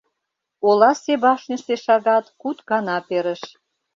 Оласе башньысе шагат куд гана перыш.